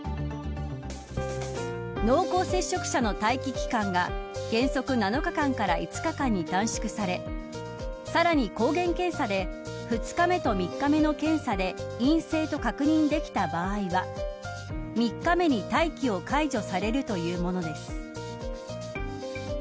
濃厚接触者の待機期間が原則７日間から５日間に短縮されさらに抗原検査で２日目と３日目の検査で陰性と確認できた場合は３日目に待機を解除されるというものです。